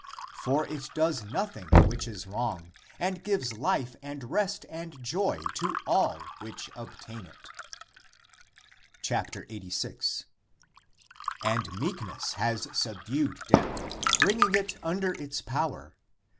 For it does nothing which is wrong, and gives Hfe and rest and joy to all which obtain it. 86. " And meekness has subdued death, bring ing it under its power.